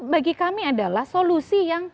bagi kami adalah solusi yang